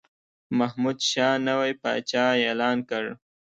محمودشاه نوی پاچا اعلان کړ.